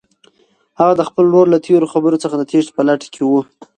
هغه د خپل ورور له تېرو خبرو څخه د تېښتې په لټه کې وه.